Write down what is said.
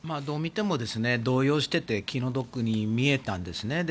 どう見ても動揺していて気の毒に見えたんですね。